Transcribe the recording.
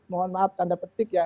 mohon maaf tanda petik ya